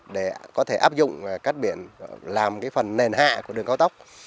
để có thể áp dụng cắt biển làm phần nền hạ của đường cao tốc